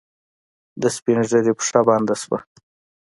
د سپينږيري پښه بنده شوه.